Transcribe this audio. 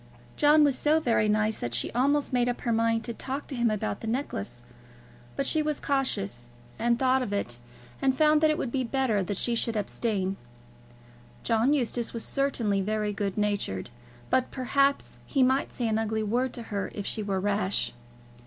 John was so very nice that she almost made up her mind to talk to him about the necklace; but she was cautious, and thought of it, and found that it would be better that she should abstain. John Eustace was certainly very good natured, but perhaps he might say an ugly word to her if she were rash.